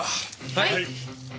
はい！